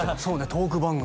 トーク番組